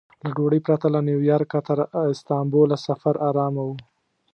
له ډوډۍ پرته له نیویارکه تر استانبوله سفر ارامه و.